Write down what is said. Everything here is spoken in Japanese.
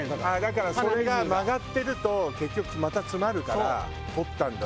だからそれが曲がってると結局また詰まるから取ったんだ？